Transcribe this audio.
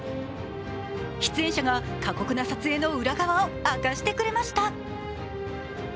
出演者が過酷な撮影の裏側を明かしてくれました。